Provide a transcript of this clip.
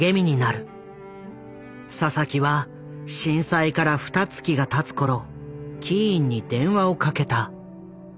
佐々木は震災からふた月がたつ頃キーンに電話をかけた。